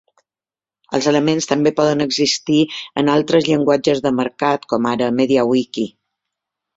Els elements també poden existir en altres llenguatges de mercat, com ara MediaWiki.